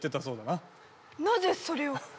なぜそれを？